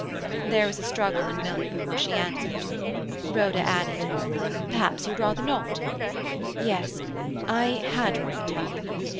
There was a struggle in Milly before she answered. Rhoda added— "Perhaps you had rather not—" "Yes, I had rather tell you.